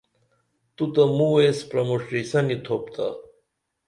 توتہ موایس پرمُݜٹیسنی تھوپ تا